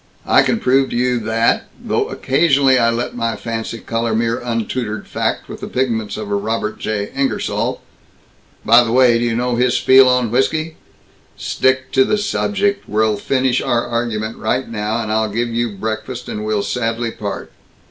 I can prove to you that, though occasionally I let my fancy color mere untutored fact with the pigments of a Robert J. Ingersoll By the way, do you know his spiel on whisky?" "Stick to the subject. We'll finish our arguing right now, and I'll give you breakfast, and we'll sadly part."